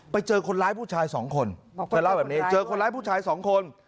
ไปเจอคนร้ายผู้ชายสองคนเจอคนร้ายผู้ชายสองคน